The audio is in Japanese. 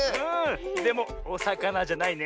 でもおさかなじゃないね。